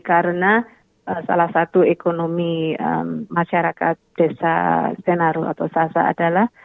karena salah satu ekonomi masyarakat desa senaruh atau sasak adalah